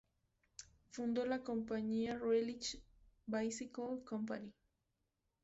Fundó la compañía Raleigh Bicycle Company.